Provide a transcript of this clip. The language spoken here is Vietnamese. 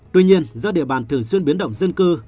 tuy nhiên do địa bàn thường xuyên biến động dân cư